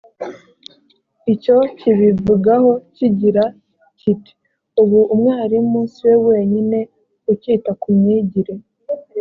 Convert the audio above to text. icyo kibivugaho kigira kiti ubu umwarimu si we wenyine ucyita ku myigire